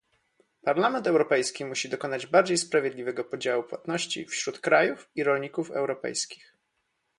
Parlament Europejski musi dokonać bardziej sprawiedliwego podziału płatności wśród krajów i rolników europejskich